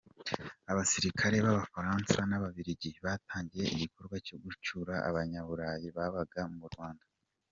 Abasirikare b’Abafaransa n’Ababiligi, batangiye igikorwa cyo gucyura abanyaburayi babaga mu Rwanda.